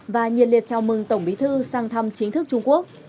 và nhiệt liệt chào mừng tổng bí thư sang thăm chính thức trung quốc